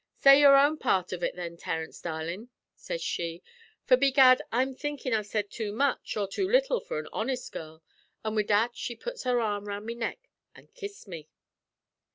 "'Say your own part av ut, then, Terence, darlin',' sez she; 'for begad I'm thinkin' I've said too much or too little for an honest girl;' an' wid that she put her arms round me neck an' kissed me.